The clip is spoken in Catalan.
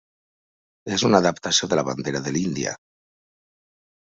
És una adaptació de la bandera de l'Índia.